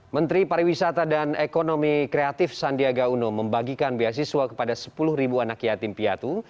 menteri pariwisata dan ekonomi kreatif sandiaga uno membagikan beasiswa kepada sepuluh anak yatim piatu